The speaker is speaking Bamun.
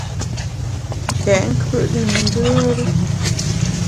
Tèt nkùt ne ndùere.